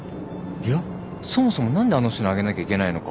いやそもそも何であの人にあげなきゃいけないのか。